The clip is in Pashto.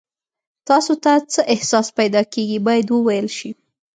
تاسو ته څه احساس پیدا کیږي باید وویل شي.